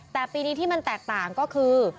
แต่ปีนี้ที่มันแตกต่างก็คือ